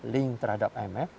link terhadap imf